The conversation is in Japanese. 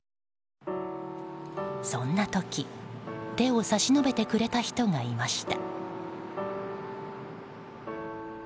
そんな時、手を差し伸べてくれた人がいました。